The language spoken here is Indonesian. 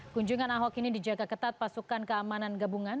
kunjungan ahok ini dijaga ketat pasukan keamanan gabungan